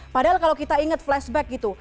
padahal kalau kita ingat flashback gitu